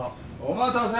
お待たせ。